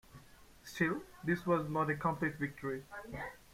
Still, this was not a complete victory.